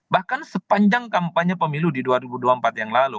bahkan sepanjang kampanye pemilu di dua ribu dua puluh empat yang lalu